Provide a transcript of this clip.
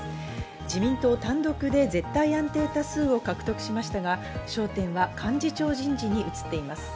自民党単独で絶対安定多数を獲得しましたが、焦点は幹事長人事に移っています。